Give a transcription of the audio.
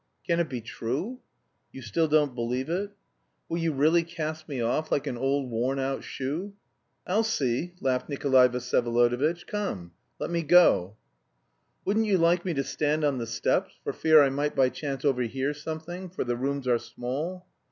"Can it be true?" "You still don't believe it?" "Will you really cast me off like an old worn out shoe?" "I'll see," laughed Nikolay Vsyevolodovitch. "Come, let me go." "Wouldn't you like me to stand on the steps... for fear I might by chance overhear something... for the rooms are small?"